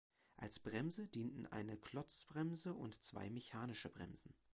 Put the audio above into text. Als Bremse dienten eine Klotzbremse und zwei mechanische Bremsen.